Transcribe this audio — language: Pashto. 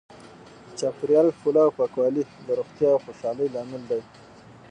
د چاپیریال ښکلا او پاکوالی د روغتیا او خوشحالۍ لامل دی.